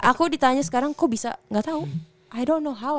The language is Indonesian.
aku ditanya sekarang kok bisa gak tau